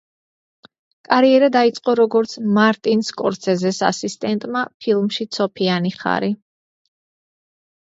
კარიერა დაიწყო როგორც მარტინ სკორსეზეს ასისტენტმა ფილმში „ცოფიანი ხარი“.